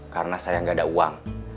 karena saya gak ada uang